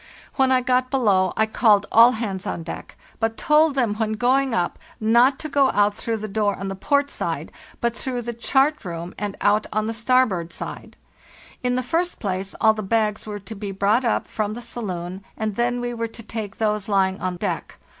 When I got below, I called all "ALL HANDS ON DECK!" hands on deck; but told them when going up not to go out through the door on the port side, but through the chart room and out on the starboard side. In the first place, all the bags were to be brought up from the saloon, and then we were to take those lying on deck.